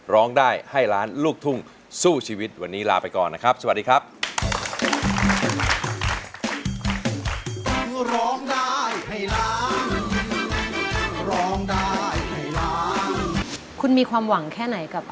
ร้องได้ให้ล้านลูกทุ่งสู้ชีวิตวันนี้ลาไปก่อนนะครับสวัสดีครับ